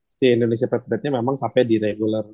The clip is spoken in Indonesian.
si indonesia patriotsnya memang sampai di regular season